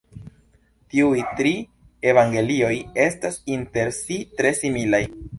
Tiuj tri evangelioj estas inter si tre similaj.